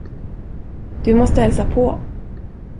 Du måste hälsa på.